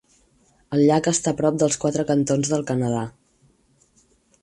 El llac està a prop dels quatre cantons del Canadà.